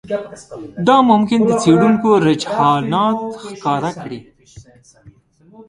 دا ممکن د څېړونکو رجحانات ښکاره کړي